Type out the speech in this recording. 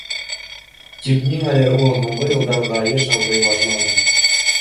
Тик ниңәлер ул һуңғы йылдарҙа йыш ауырый башланы.